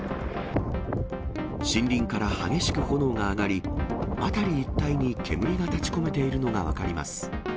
森林から激しく炎が上がり、辺り一帯に煙が立ちこめているのが分かります。